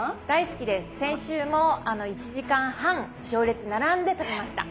先週も１時間半行列並んで食べました。